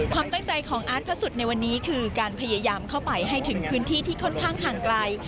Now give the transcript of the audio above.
ความตั้งใจของอาร์ตพระสุทธิ์ในวันนี้คือการพยายามเข้าไปให้ถึงพื้นที่ที่ค่อนข้างห่างไกล